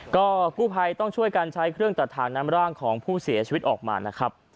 ก็กู้ภัยต้องช่วยการใช้เครื่องตัดทางนำร่างของผู้เสียชีวิตออกมานะครับ